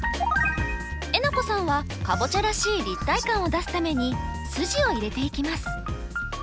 えなこさんはカボチャらしい立体感を出すために筋を入れていきます。